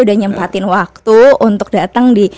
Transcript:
udah nyempatin waktu untuk datang di